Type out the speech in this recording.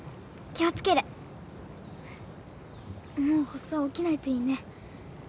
もう発作起きないといいね。